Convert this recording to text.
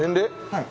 はい。